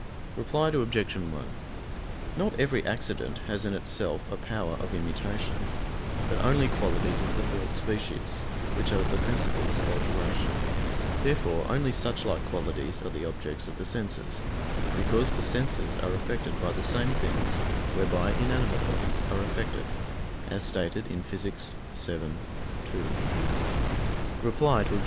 Reply Obj. 1: Not every accident has in itself a power of immutation but only qualities of the third species, which are the principles of alteration: therefore only suchlike qualities are the objects of the senses; because "the senses are affected by the same things whereby inanimate bodies are affected," as stated in Phys. vii, 2. Reply Obj.